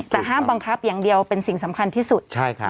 แต่ห้ามบังคับอย่างเดียวเป็นสิ่งสำคัญที่สุด